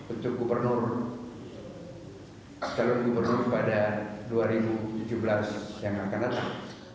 untuk gubernur calon gubernur pada dua ribu tujuh belas yang akan datang